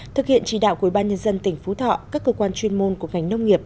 thực hiện chỉ đạo của ủy ban nhân dân tỉnh phú thọ các cơ quan chuyên môn của ngành nông nghiệp